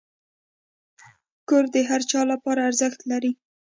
کور د هر چا لپاره ارزښت لري.